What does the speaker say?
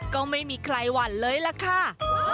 ก็ไม่มีใครหวั่นเลยล่ะค่ะ